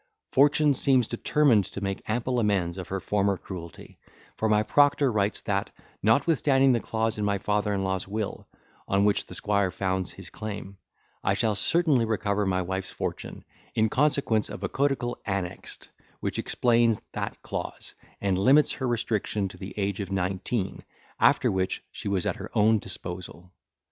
Fortune seems determined to make ample amends for her former cruelty, for my proctor writes that, notwithstanding the clause in my father in law's will, on which the squire founds his claim, I shall certainly recover my wife's fortune, in consequence of a codicil annexed, which explains that clause, and limits her restriction to the age of nineteen, after which she was at her own disposal.